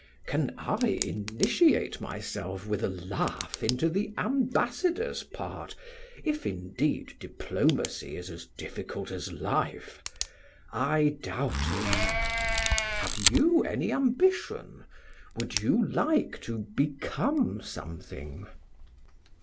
Can I initiate myself with a laugh into the ambassador's part, if indeed diplomacy is as difficult as life? I doubt it. Have you any ambition? Would you like to become something?"